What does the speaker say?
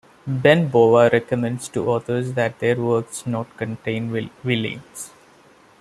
Ben Bova recommends to authors that their works not contain villains.